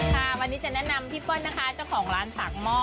ค่ะวันนี้จะแนะนำพี่เปิ้ลนะคะเจ้าของร้านปากหม้อ